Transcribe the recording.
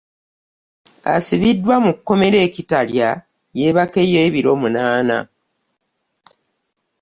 Asimbiddwa mu kkomera e Kitalya yeebakeyo ebiro munaana.